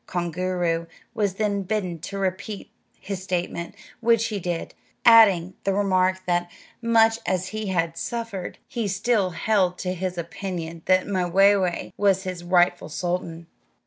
Koongooroo was then bidden to repeat his statement, which he did, adding the remark that, much as he had suffered, he still held to his opinion that Mwayway was his rightful sultan.